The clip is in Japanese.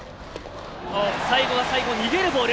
最後は逃げるボール。